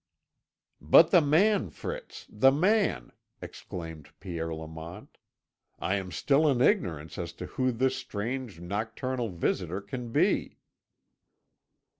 "But the man, Fritz, the man!" exclaimed Pierre, Lamont. "I am still in ignorance as to who this strange, nocturnal visitor can be."